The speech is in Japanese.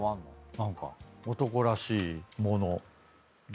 何か男らしい物。